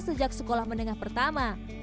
sejak sekolah menengah pertama